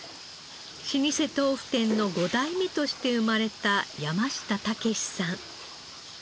老舗豆腐店の５代目として生まれた山下健さん。